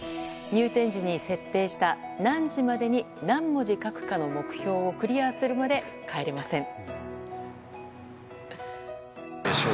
入店時に設定した何時までに、何文字書くかの目標をクリアするまで帰れません。